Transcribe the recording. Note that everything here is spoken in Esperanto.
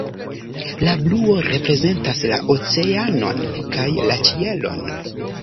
La bluo reprezentas la oceanon kaj la ĉielon.